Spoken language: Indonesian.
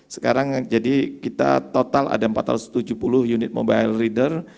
sekarang jadi kita total ada empat ratus tujuh puluh unit mobile reader